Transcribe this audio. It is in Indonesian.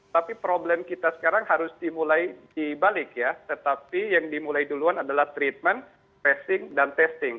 tapi problem kita sekarang harus dimulai dibalik ya tetapi yang dimulai duluan adalah treatment tracing dan testing